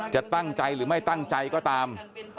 จะตั้งใจหรือไม่ตั้งใจก็ตาม